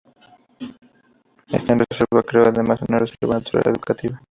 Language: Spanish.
En esta reserva creó además una reserva natural educativa.